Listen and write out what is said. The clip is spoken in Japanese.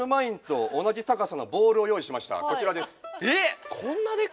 こちらです。